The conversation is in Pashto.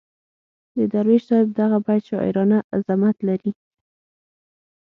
د درویش صاحب دغه بیت شاعرانه عظمت لري.